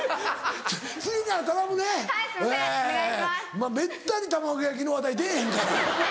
まぁめったに卵焼きの話題出ぇへんから。